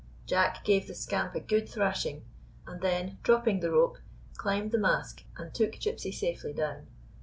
Jack gave the scamp a good thrashing, and then, dropping the rope, climbed the mast and took Gypsy safely down.